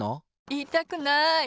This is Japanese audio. いいたくない。